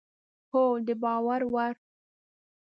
هو، د باور وړ